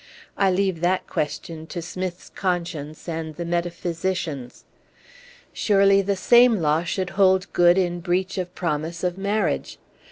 I leave that question to Smith's conscience and the metaphysicians. Surely the same law should hold good in breach of promise of marriage.